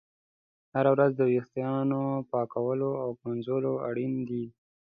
هره ورځ د ویښتانو پاکول او ږمنځول اړین دي.